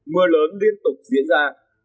mưa lớn liên tục diễn ra